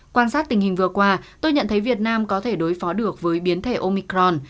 quan sát tình hình vừa qua tôi nhận thấy việt nam có thể đối phó được với biến thể omicron